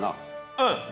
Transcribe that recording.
うん。